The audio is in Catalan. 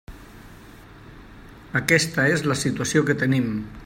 Aquesta és la situació que tenim.